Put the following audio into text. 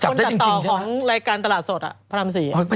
คนตัดต่อของรายการตลาดสดพระราม๔